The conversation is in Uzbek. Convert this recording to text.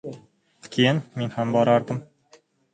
Keyin, men ham bordim.